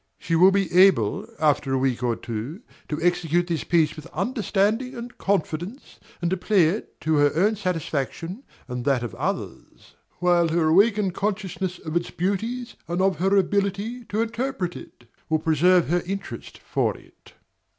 DOMINIE. She will be able, after a week or two, to execute this piece with understanding and confidence, and to play it to her own satisfaction and that of others; while her awakened consciousness of its beauties and of her ability to interpret it will preserve her interest for it.